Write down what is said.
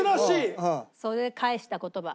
それで返した言葉私。